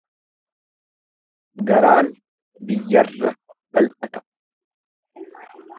Garaan biyyarra baldhata.